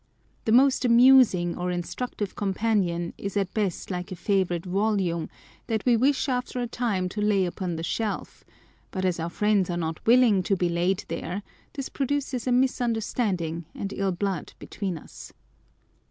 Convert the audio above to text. The most amusing or instructive companion is at best like a favourite volume, that we wish after a time to lay upon the shelf ; but as our friends are not willing to be laid there, this produces a misunderstanding and ill blood between us.